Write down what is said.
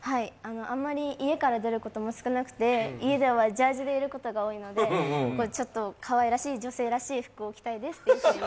あまり家から出ることが少なく安藤て、家ではジャージでいることが多くてちょっとかわいらしい女性らしい服を着たいですっていうふうに。